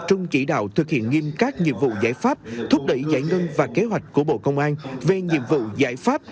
tập trung chỉ đạo thực hiện nghiêm các nhiệm vụ giải pháp thúc đẩy giải ngân và kế hoạch của bộ công an về nhiệm vụ giải pháp